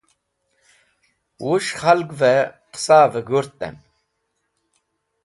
Wus̃h k̃halgvẽ qesavẽ g̃hurtẽm.